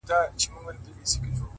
ستا د يوه واري ليدلو جنتې خوندونه-